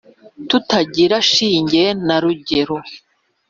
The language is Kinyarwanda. Tutagira shinge na rugero